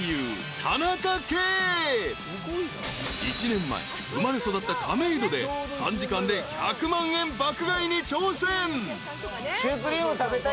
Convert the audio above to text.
［１年前生まれ育った亀戸で３時間で１００万円爆買いに挑戦］